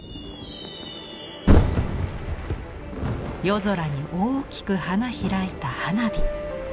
夜空に大きく花開いた花火。